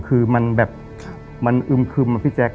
คือมันแบบมันอึมคึมอะพี่แจ๊ค